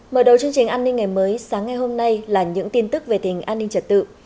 mở đầu chương trình an ninh ngày mới sáng ngày hôm nay là những tin tức về tình an ninh trật tự